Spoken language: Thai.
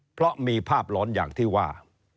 เพราะมีภาพหลอนอย่างที่ว่า